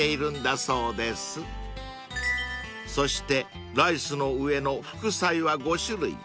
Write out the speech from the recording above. ［そしてライスの上の副菜は５種類］